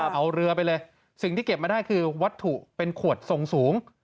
เอาเรือไปเลยสิ่งที่เก็บมาได้คือวัตถุเป็นขวดทรงสูง